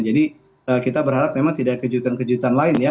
jadi kita berharap memang tidak kejutan kejutan lain ya